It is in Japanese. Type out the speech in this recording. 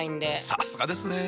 さすがですね。